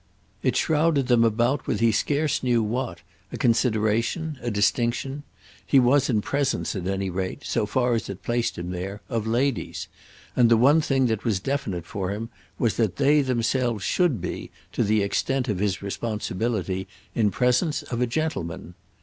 It shrouded them about with he scarce knew what, a consideration, a distinction; he was in presence at any rate—so far as it placed him there—of ladies; and the one thing that was definite for him was that they themselves should be, to the extent of his responsibility, in presence of a gentleman.